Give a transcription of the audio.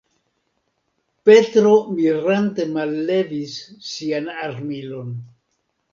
Petro mirante mallevis sian armilon.